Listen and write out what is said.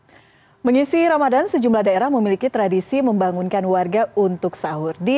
hai mengisi ramadan sejumlah daerah memiliki tradisi membangunkan warga untuk sahur di